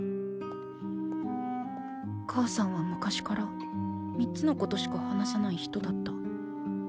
母さんは昔から３つのことしか話さない人だった。